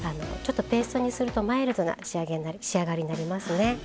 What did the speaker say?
ちょっとペーストにするとマイルドな仕上がりになりますね。